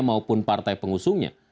maupun partai pengusungnya